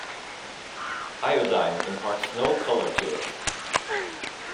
Iodine imparts no color to it.